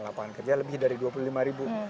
lapangan kerja lebih dari dua puluh lima ribu